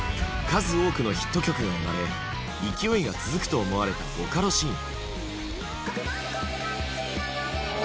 数多くのヒット曲が生まれ勢いが続くと思われたボカロシーン。